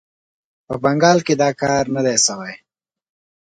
په بنګال کې دا کار نه دی سوی.